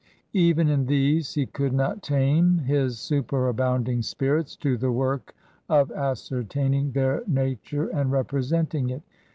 Even in these he could not tame his superabounding spirits to the work of ascertaining their nature and representing it.